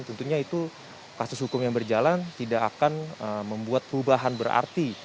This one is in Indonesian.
tentunya itu kasus hukum yang berjalan tidak akan membuat perubahan berarti